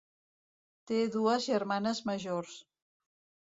Té dues germanes majors.